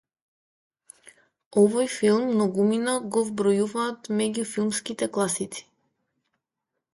Овој филм многумина го вбројуваат меѓу филмските класици.